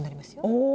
お！